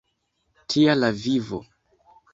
Tia la vivo!